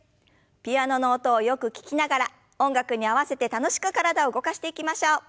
ピアノの音をよく聞きながら音楽に合わせて楽しく体を動かしていきましょう。